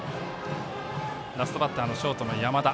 ラストバッターのショートの山田。